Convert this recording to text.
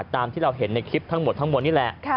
ตามที่เราเห็นในคลิปทั้งหมดทั้งหมดนี่แหละ